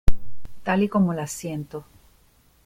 tal y como las siento.